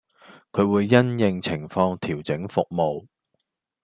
佢會因應情況調整服務